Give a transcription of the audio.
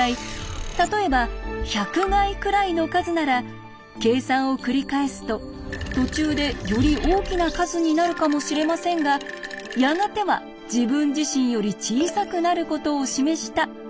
例えば１００垓くらいの数なら計算をくりかえすと途中でより大きな数になるかもしれませんがやがては自分自身より小さくなることを示したということを意味します。